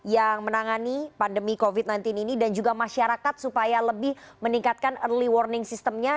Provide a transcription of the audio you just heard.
yang menangani pandemi covid sembilan belas ini dan juga masyarakat supaya lebih meningkatkan early warning systemnya